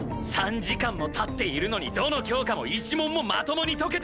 ３時間も経っているのにどの教科も１問もまともに解けてない！